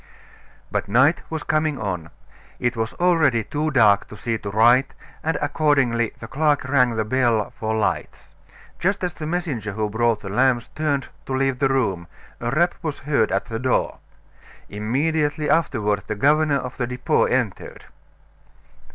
But night was coming on. It was already too dark to see to write, and accordingly the clerk rang the bell for lights. Just as the messenger who brought the lamps turned to leave the room, a rap was heard at the door. Immediately afterward the governor of the Depot entered.